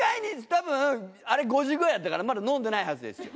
多分あれ５時ぐらいだったからまだ飲んでないはずですよ。